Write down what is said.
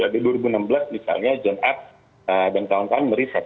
di dua ribu enam belas misalnya john app dan kawan kawan meriset